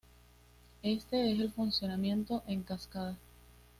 Éste es el funcionamiento en cascada.